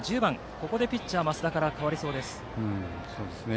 ここでピッチャーの増田が代わりそうです。